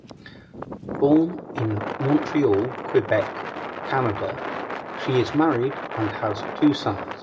Born in Montreal, Quebec, Canada, she is married, and has two sons.